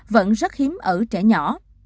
vẫn rất hiếm ở trẻ nhỏ